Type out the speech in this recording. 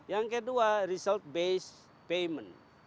yang kedua result based payment